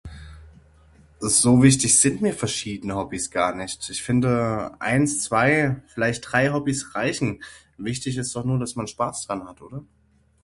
So wichtig sind mir verschiedene Hobbys gar nicht, ich finde eins, zwei, vielleicht drei Hobbys reichen, wichtig ist doch nur, dass man Spaß dran hat oder?